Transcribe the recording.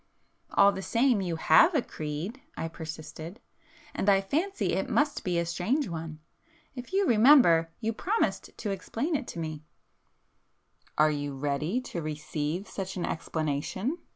"All the same, you have a creed;"—I persisted—"And I fancy it must be a strange one! If you remember, you promised to explain it to me——" "Are you ready to receive such an explanation?"